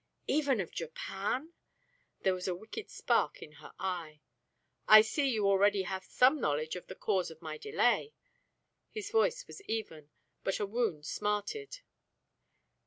"Even of Japan?" There was a wicked spark in her eye. "I see you already have some knowledge of the cause of my delay." His voice was even, but a wound smarted.